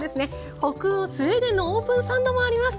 北欧スウェーデンのオープンサンドもあります。